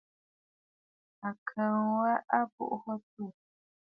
A kɔʼɔ aa a mbùʼû àtû.